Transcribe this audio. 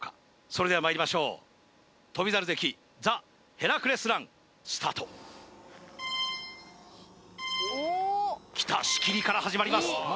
それではまいりましょう翔猿関ザ・ヘラクレスランスタートきた仕切りから始まります